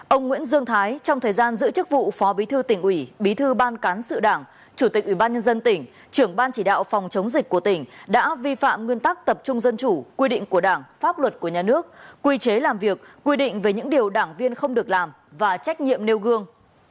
ông nguyễn dương thái trong thời gian giữ chức vụ phó bí thư tỉnh ủy bí thư ban cán sự đảng chủ tịch ủy ban nhân dân tỉnh trưởng ban chỉ đạo phòng chống dịch của tỉnh đã vi phạm nguyên tắc tập trung dân chủ quy định của đảng pháp luật của nhà nước quy chế làm việc quy định về những điều đảng viên không được làm và trách nhiệm nêu gương